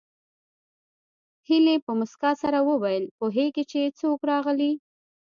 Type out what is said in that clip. هيلې په مسکا سره وویل پوهېږې چې څوک راغلي